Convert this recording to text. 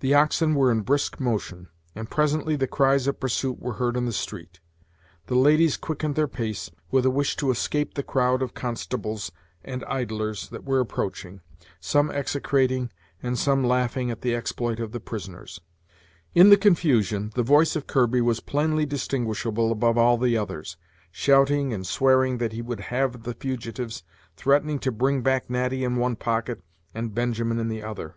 The oxen were in brisk motion, and presently the cries of pursuit were heard in the street. The ladies quickened their pace, with a wish to escape the crowd of constables and idlers that were approaching, some execrating, and some laughing at the exploit of the prisoners. In the confusion, the voice of Kirby was plainly distinguishable above all the others, shouting and swearing that he would have the fugitives, threatening to bring back Natty in one pocket, and Benjamin in the other.